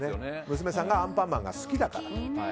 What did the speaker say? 娘さんがアンパンマンが好きだからと。